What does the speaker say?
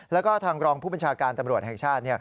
แล้วก็ทางรองผู้บัญชาการตำรวจแห่งชาติ